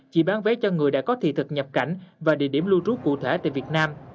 chỉ bán vé cho người đã có thị thực nhập cảnh và địa điểm lưu trú cụ thể tại việt nam